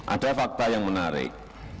ada fakta yang menarik